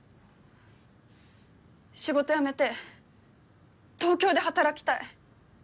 仕事辞めて東京で働きたい。